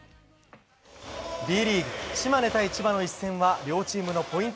Ｂリーグ、島根対千葉の一戦は両チームのポイント